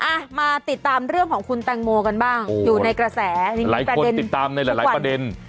อ่ะมาติดตามเรื่องของคุณแตงโมกันบ้างอยู่ในกระแสจริงหลายคนติดตามในหลายหลายประเด็น